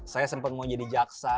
saya sempat mau jadi jaksa